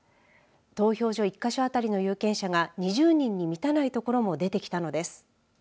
投票所１か所当たりの有権者が２０人に満たない所も出てきたのです。